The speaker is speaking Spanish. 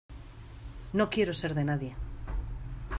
no quiero ser de nadie.